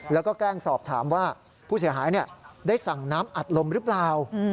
แล้วก็แกล้งสอบถามว่าผู้เสียหายได้สั่งน้ำอัดลมหรือเปล่า